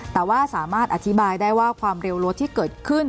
แต่ว่าสามารถอธิบายได้ว่าความเร็วรถที่เกิดขึ้น